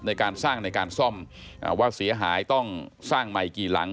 ในการสร้างในการซ่อมว่าเสียหายต้องสร้างใหม่กี่หลัง